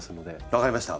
分かりました。